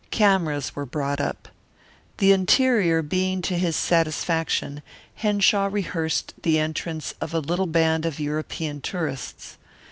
Cameras were brought up. The interior being to his satisfaction, Henshaw rehearsed the entrance of a little band of European tourists.